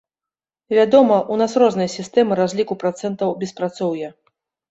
Вядома, у нас розныя сістэмы разліку працэнтаў беспрацоўя.